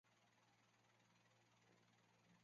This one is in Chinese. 为现任台湾女科技人学会副理事长。